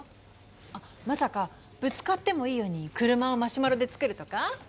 あっまさかぶつかってもいいように車をマシュマロで作るとか？